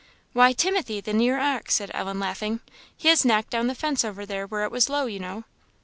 "Why, Timothy, the near ox," said Ellen, laughing; "he has knocked down the fence over there where it was low, you know."